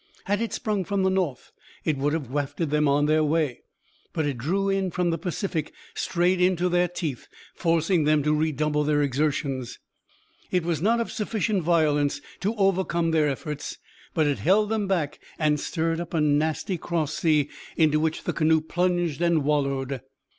Had it sprung from the north it would have wafted them on their way, but it drew in from the Pacific, straight into their teeth, forcing them to redouble their exertions. It was not of sufficient violence to overcome their efforts, but it held them back and stirred up a nasty cross sea into which the canoe plunged and wallowed.